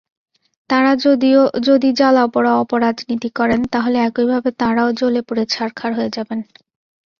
তাঁরা যদি জ্বালাও-পোড়াও অপরাজনীতি করেন, তাহলে একইভাবে তাঁরাও জ্বলে-পুড়ে ছারখার হয়ে যাবেন।